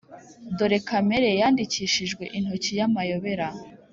dore kamere yandikishijwe intoki y'amayobera,